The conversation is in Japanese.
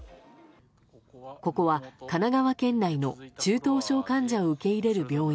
ここは神奈川県内の中等症患者を受け入れる病院。